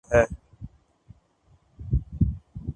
تضاد آ دمی کو بر باد کر تا ہے۔